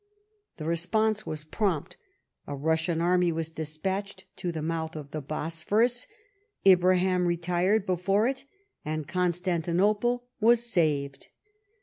The response was prompt ; a Russian army was despatched to the mouth of the Bosphorus, Ibrahim retired before it, and Constantinople was saved.